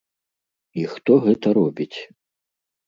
І хто гэта робіць?